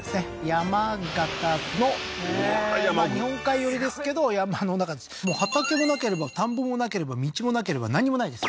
山形のうわー山奥日本海寄りですけど山の中もう畑も無ければ田んぼも無ければ道も無ければなんにも無いです